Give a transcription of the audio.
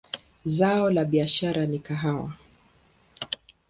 Zao la biashara ni kahawa.